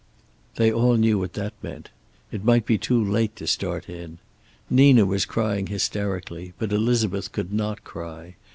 They all knew what that meant. It might be too late to start in. Nina was crying hysterically, but Elizabeth could not cry.